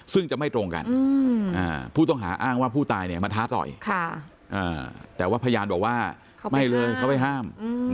ซึ่งจะไม่ตรงกันผู้ต้องหาอ้างว่าผู้ตายเนี่ยมาท้าต่อยแต่ว่าพยานบอกว่าไม่เลยเขาไปห้าม